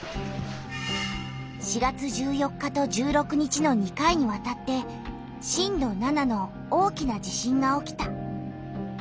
４月１４日と１６日の２回にわたって震度７の大きな地震が起きた。